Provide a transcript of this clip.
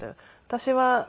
私は。